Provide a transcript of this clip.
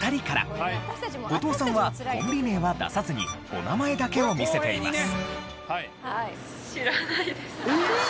後藤さんはコンビ名は出さずにお名前だけを見せています。